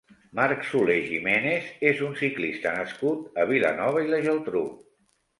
Marc Soler Giménez és un ciclista nascut a Vilanova i la Geltrú.